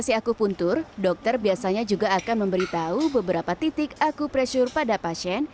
usai sesi aku puntur dokter biasanya juga akan memberi tahu beberapa titik akupresur pada pasien